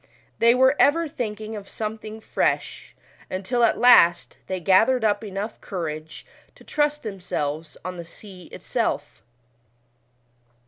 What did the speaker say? They were ever thinking of something fresh, uutil at last they fathered up enough courage to trust themselves on the sea itself.